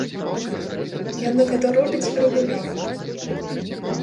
Яны гэта робяць рэгулярна.